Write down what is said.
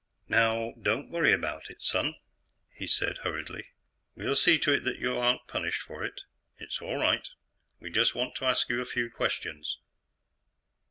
"Now, don't worry about it, son," he said hurriedly; "We'll see to it that you aren't punished for it. It's all right. We just want to ask you a few questions."